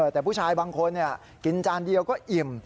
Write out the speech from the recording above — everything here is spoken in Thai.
แต่ผู้ชายบางคนกินจานเดียวก็อิ่ม